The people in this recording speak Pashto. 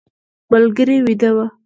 ملګري ویده و.